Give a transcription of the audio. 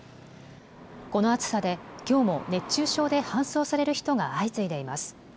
この暑さできょうも熱中症で搬送される人が相次いでいます。